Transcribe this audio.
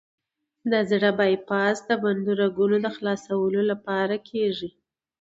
د زړه بای پاس د بندو رګونو د خلاصون لپاره کېږي.